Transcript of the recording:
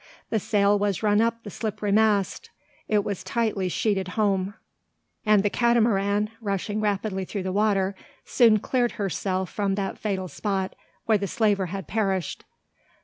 The sail was run up the slippery mast; it was tightly sheeted home; and the Catamaran, rushing rapidly through the water, soon cleared herself from that fatal spot where the slaver had perished.